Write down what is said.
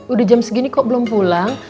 udah jam segini kok belum pulang